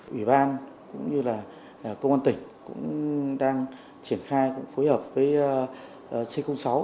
ủy ban cũng như là công an tỉnh cũng đang triển khai phối hợp với c sáu